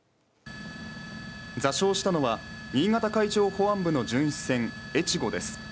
座礁したのは新潟海上保安部の巡視船「えちご」です